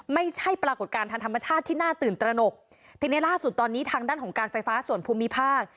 ไม่ใช่ปรากฏการณ์ทางธรรมชาติที่น่าตื่นตระหนกทีนี้ล่าสุดตอนนี้ทางด้านของการไฟฟ้าส่วนภูมิภาค